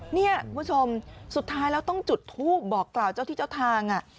เนี่ยคุณผู้ชมสุดท้ายแล้วต้องจุดทูปบอกกล่าวเจ้าที่เจ้าทาง